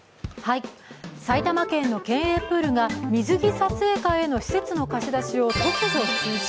埼玉県の県営プールが水着撮影会への施設の貸し出しを突如、中止。